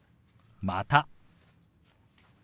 「また」。